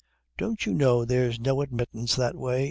"Don't you know there's no admittance that way?"